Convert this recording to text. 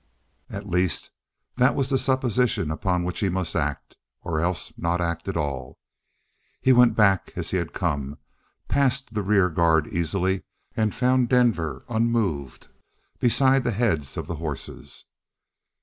At least that was the supposition upon which he must act, or else not act at all. He went back as he had come, passed the rear guard easily, and found Denver unmoved beside the heads Of the horses.